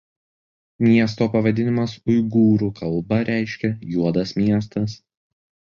Miesto pavadinimas uigūrų kalba reiškia „juodas miestas“.